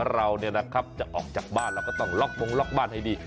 เราเนี่ยนะครับจะออกจากบ้านเราก็ต้องล็อคโมงล็อคบ้านให้ดี